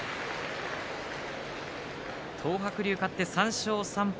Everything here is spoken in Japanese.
東白龍、勝って３勝３敗。